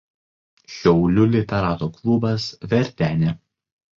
Šiaulių literatų klubas „Verdenė“